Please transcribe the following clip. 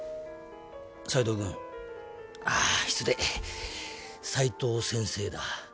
斉藤君ああ失礼斉藤先生だ